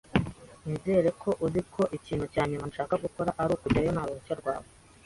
Nizere ko uzi ko ikintu cya nyuma nshaka gukora ari ukujyayo nta ruhushya rwawe.